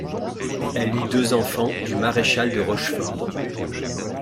Elle eut deux enfants du maréchal de Rochefort.